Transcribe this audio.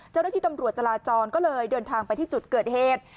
เจ้าหน้าที่ตำรวจจราจรก็เลยเดินทางไปที่จุดเกิดเหตุ